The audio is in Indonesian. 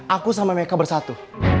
aku sama meka bersatu